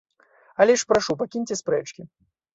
Але ж прашу, пакіньце спрэчкі.